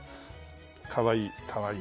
かわいいかわいい。